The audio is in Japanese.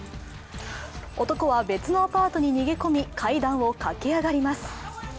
男は別のアパートに逃げ込み階段を駆け上がります。